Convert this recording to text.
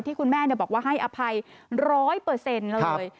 ที่คุณแม่บอกว่าให้อภัยร้อยเปอร์เซ็นต์เลย